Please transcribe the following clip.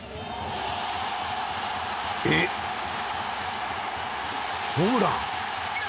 え、ホームラン？